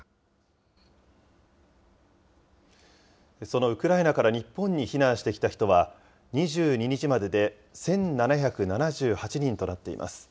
そのウクライナから日本に避難してきた人は、２２日までで１７７８人となっています。